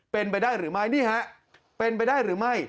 เป็นไปได้หรือไม่นี่ฮะเป็นไปได้หรือไม่